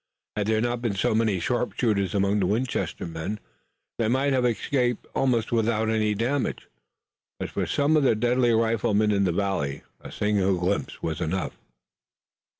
Had there not been so many sharpshooters among the Winchester men they might have escaped almost without any damage, but for some of the deadly riflemen in the valley a single glimpse was enough.